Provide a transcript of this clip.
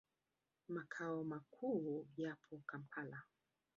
Makao makuu yapo Kampala.